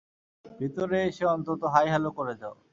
ভিতরে এসে অন্তত হাই-হ্যাঁলো করে যাও।